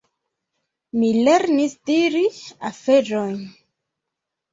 Mi lernis diri aferojn.